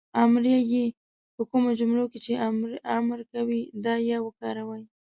امریه "ئ" په کومو جملو کې چې امر کوی دا "ئ" وکاروئ